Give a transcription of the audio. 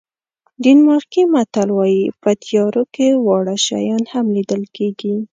ډنمارکي متل وایي په تیارو کې واړه شیان هم لیدل کېږي.